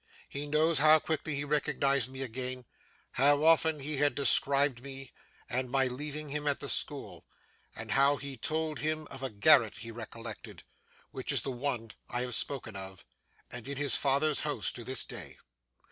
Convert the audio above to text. He knows how quickly he recognised me again, how often he had described me and my leaving him at the school, and how he told him of a garret he recollected: which is the one I have spoken of, and in his father's house to this day.